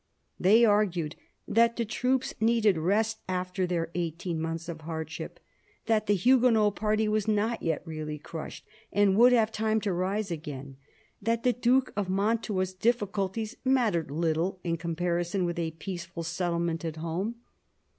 They argued that the troops needed rest after their eighteen months of hardship ; that the Huguenot party was not yet really crushed and would have time to rise again ; that the Duke of Mantua's difficulties mattered little in comparison with a peaceful settlement at home.